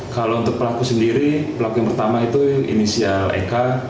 kalau untuk pelaku sendiri pelaku yang pertama itu inisial eka